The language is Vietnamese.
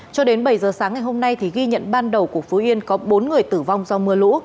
cho đến bảy giờ sáng ngày hôm nay thì ghi nhận ban đầu của phú yên có bốn người tử vong do mưa lũ